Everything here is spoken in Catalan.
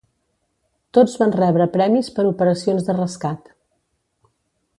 Tots van rebre premis per operacions de rescat.